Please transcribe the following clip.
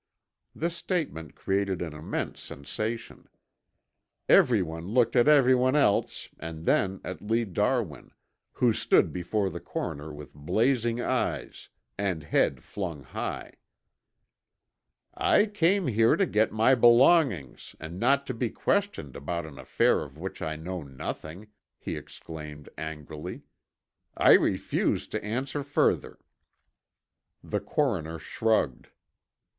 This statement created an immense sensation. Everyone looked at everyone else and then at Lee Darwin, who stood before the coroner with blazing eyes and head flung high. "I came here to get my belongings and not to be questioned about an affair of which I know nothing!" he exclaimed angrily. "I refuse to answer further." The coroner shrugged.